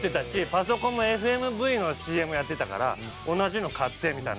パソコンもＦＭＶのＣＭやってたから同じのを買ってみたいな。